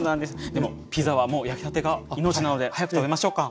でもピザはもう焼きたてが命なので早く食べましょうか。